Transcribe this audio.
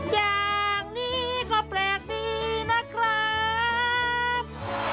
อย่างนี้ก็แปลกดีนะครับ